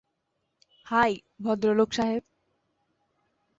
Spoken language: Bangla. হাই, ভদ্রলোক সাহেব।